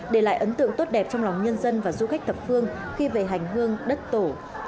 để lại ấn tượng tốt đẹp trong lòng nhân dân và du khách thập phương khi về hành hương đất tổ